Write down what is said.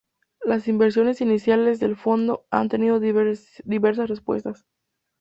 Las inversiones iniciales del Fondo han tenido diversas respuestas.